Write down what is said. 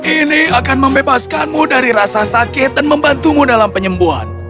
ini akan membebaskanmu dari rasa sakit dan membantumu dalam penyembuhan